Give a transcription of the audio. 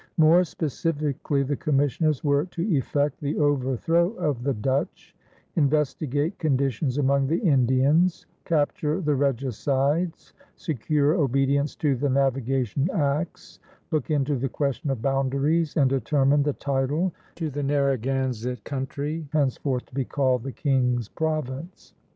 More specifically, the commissioners were to effect the overthrow of the Dutch, investigate conditions among the Indians, capture the regicides, secure obedience to the navigation acts, look into the question of boundaries, and determine the title to the Narragansett country, henceforth to be called the King's Province.